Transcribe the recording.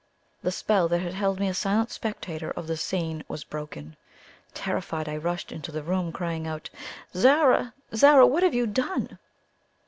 The spell that had held me a silent spectator of the scene was broken. Terrified, I rushed into the room, crying out: "Zara, Zara! What have you done?"